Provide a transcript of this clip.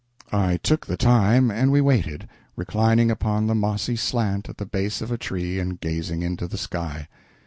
I took the time, and we waited, reclining upon the mossy slant at the base of a tree, and gazing into the sky.